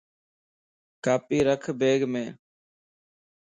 کاپي رک بيگ ام